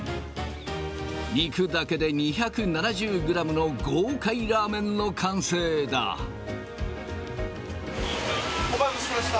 肉だけで２７０グラムの豪快ラーお待たせしました。